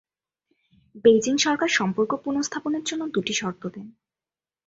Beijing সরকার সম্পর্ক পুনঃস্থাপনের জন্য দুটি শর্ত দেন।